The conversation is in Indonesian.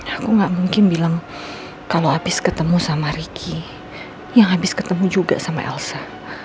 aku gak mungkin bilang kalau habis ketemu sama ricky yang habis ketemu juga sama elsa